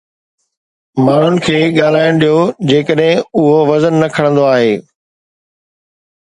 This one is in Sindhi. ماڻهن کي ڳالهائڻ ڏيو جيڪڏهن اهو وزن نه کڻندو آهي.